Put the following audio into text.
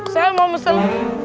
saya mau pesen